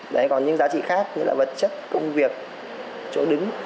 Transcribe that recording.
đấy còn những giá trị khác như là vật chất công việc chỗ đứng